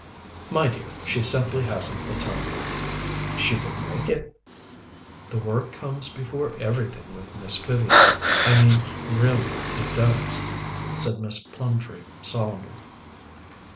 "My dear, she simply hasn't the time." "She could make it." "The work comes before everything with Miss Vivian. I mean, really it does," said Miss Plumtree solemnly.